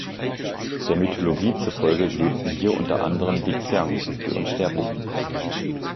Der Mythologie zufolge lebten hier unter anderem die Xian, die Unsterblichen.